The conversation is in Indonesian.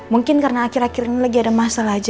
mungkin karena akhir akhir ini lagi ada masalah